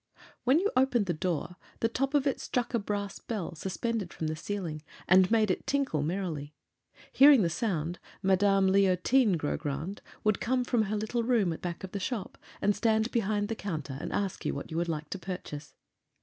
When you opened the door, the top of it struck a brass bell suspended from the ceiling and made it tinkle merrily. Hearing the sound, Madame Leontine Grogrande would come from her little room back of the shop and stand behind the counter and ask you what you would like to purchase.